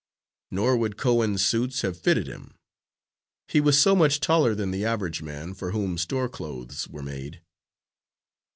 Nor would Cohen's suits have fitted him. He was so much taller than the average man for whom store clothes were made.